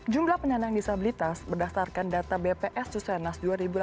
jumlah penyandang disabilitas berdasarkan data bps susenas dua ribu delapan belas